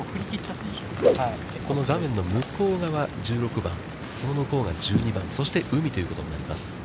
この画面の向こう側が１６番、その向こうが１２番、そして、海ということになります。